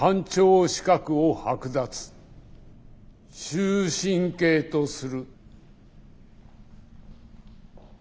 終身刑とする。